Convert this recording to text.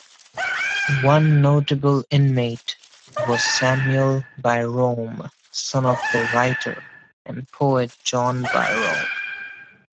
One notable inmate was Samuel Byrom, son of the writer and poet John Byrom.